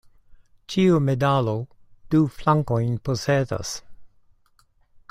Ĉiu medalo du flankojn posedas.